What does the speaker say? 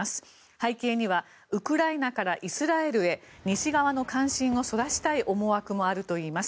背景にはウクライナからイスラエルへ西側の関心をそらしたい思惑もあるといいます。